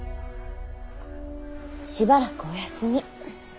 しばらくお休み。